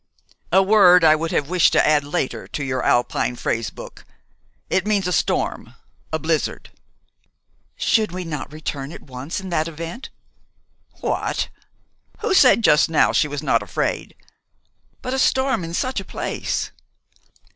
"A word I would have wished to add later to your Alpine phrase book. It means a storm, a blizzard." "Should we not return at once in that event?" "What? Who said just now she was not afraid?" "But a storm in such a place!"